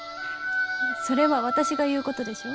それは私が言うことでしょ？